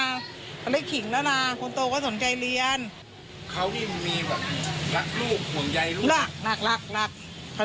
อะไรขิงน่ะน่ะคนโตก็สนใจเรียนเขานี่มันมีแบบรักลูกห่วงใยลูกรักรักรัก